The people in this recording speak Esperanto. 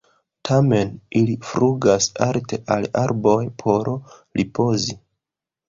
Tamen ili flugas alte al arboj por ripozi.